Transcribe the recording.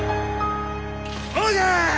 そうじゃ！